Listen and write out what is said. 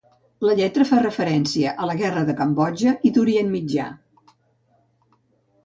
La lletra fa referència a la guerra de Cambodja i d'Orient Mitjà.